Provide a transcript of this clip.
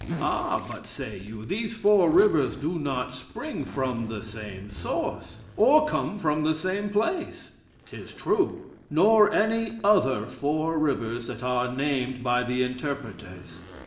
Ah! but, say you, these four rivers do not spring from the same source, or come from the same place; 'tis true, nor any other four rivers that are named by the interpreters.